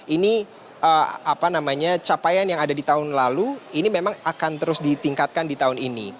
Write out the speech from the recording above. ini apa namanya capaian yang ada di tahun lalu ini memang akan terus ditingkatkan di tahun ini